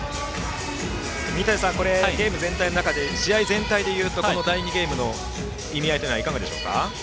水谷さん、ゲーム全体の中で試合全体でいうとこの第２ゲームの意味合いはいかがでしょうか？